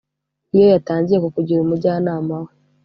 iyo yatangiye kukugira umujyana we